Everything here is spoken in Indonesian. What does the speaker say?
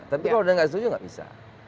tapi kalau udah gak setuju gak bisa